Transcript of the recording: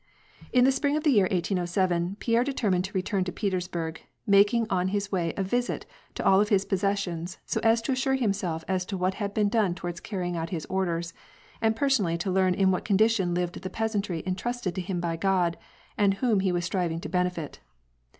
In the spring of the year 1807, Pierre determined to return to Petersburg, making on his way a visit to all of his posses sionsy so as to assure himself as to what had been done toward carrying out his orders, and personally to learn in what condition lived the peasantry entrusted to him by God, and whom he was striving to benefit.